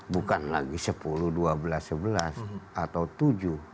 bukan lagi sepuluh dua belas sebelas atau tujuh